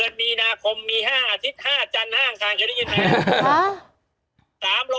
มีนาคมมี๕อาทิตย์๕จันทร์๕อังคารเคยได้ยินไหม